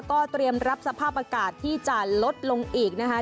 ก็เตรียมรับสภาพอากาศที่จะลดลงอีกนะคะ